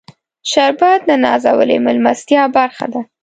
شربت د نازولې میلمستیا برخه ده